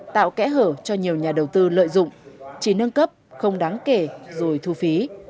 tạo kẽ hở cho nhiều nhà đầu tư lợi dụng chỉ nâng cấp không đáng kể rồi thu phí